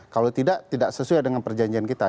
kalau tidak tidak sesuai dengan perjanjian kita